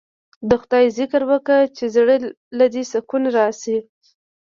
د خداى ذکر وکه چې زړه له دې سکون رايشي.